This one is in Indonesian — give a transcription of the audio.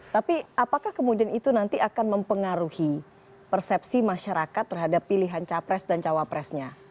tapi apakah kemudian itu nanti akan mempengaruhi persepsi masyarakat terhadap pilihan capres dan cawapresnya